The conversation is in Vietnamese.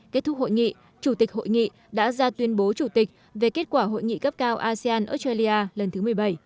kết thúc hội nghị chủ tịch hội nghị đã ra tuyên bố chủ tịch về kết quả hội nghị cấp cao asean australia lần thứ một mươi bảy